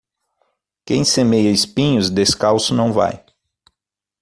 Quem semeia espinhos, descalço não vai.